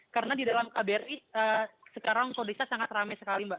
karena di dalam kbri sekarang kondisi sangat rame sekali mbak